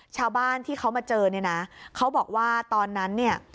ชาวบ้านที่เขามาเจอเนี่ยนะเขาบอกว่าตอนนั้นเนี่ย